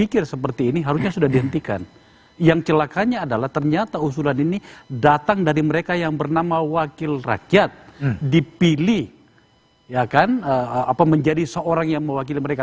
kebelakangnya adalah ternyata usulan ini datang dari mereka yang bernama wakil rakyat dipilih menjadi seorang yang mewakili mereka